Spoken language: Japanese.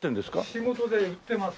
仕事で売ってます。